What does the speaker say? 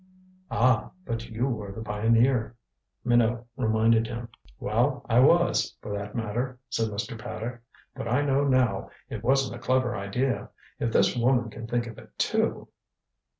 "Ah but you were the pioneer," Minot reminded him. "Well, I was, for that matter," said Mr. Paddock. "But I know now it wasn't a clever idea, if this woman can think of it, too."